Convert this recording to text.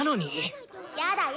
やだよ。